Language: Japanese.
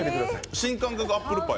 新感覚アップルパイ。